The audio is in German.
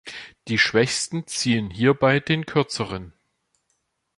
Die Schwächsten ziehen hierbei den Kürzeren.